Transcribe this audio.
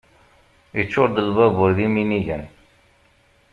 Iččur-d lbabur d iminigen.